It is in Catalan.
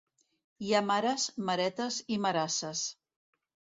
Hi ha mares, maretes i marasses.